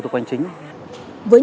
đúng rồi ạ